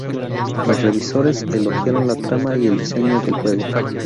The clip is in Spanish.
Los revisores elogiaron la trama y el diseño del juego.